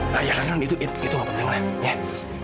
pokoknya sekarang yang penting non simpen ini baik baik